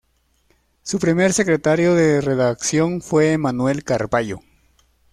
Su primer secretario de redacción fue Emmanuel Carballo.